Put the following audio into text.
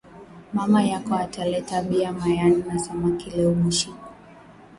Mama yako ata leta bia mayani na samaki leo bushiku